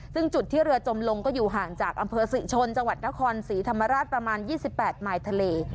ซึ่งจุดที่เรือจมลงก็อยู่ห่างจากอำเภอศรีชนจังหวัดนครศรีธรรมราชประมาณ๒๘มายทะเล